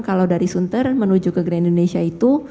kalau dari sunter menuju ke grand indonesia itu